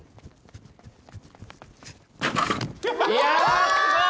いやすごい！